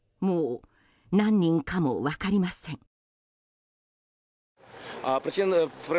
もう何人かも分かりません。